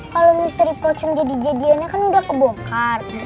kalau misteri kocem jadi jadiannya kan udah kebokar